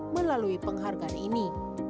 melalui penghargaan ini